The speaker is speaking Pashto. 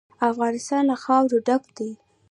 افغانستان له خاوره ډک دی.